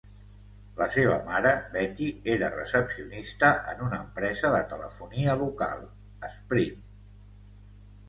La seva mare, Betty, era recepcionista en una empresa de telefonia local, Sprint.